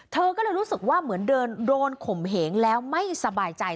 เธอก็เลยรู้สึกว่าเหมือนเดินโดนข่มเหงแล้วไม่สบายใจ